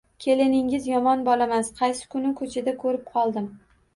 Keliningiz yomon bolamas, qaysi kuni ko‘chada ko‘rib qoldim.